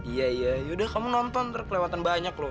iya iya yaudah kamu nonton ntar kelewatan banyak loh